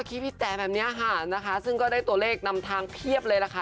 พี่พี่แจ๋แบบนี้ค่ะนะคะซึ่งก็ได้ตัวเลขนำทางเพียบเลยล่ะค่ะ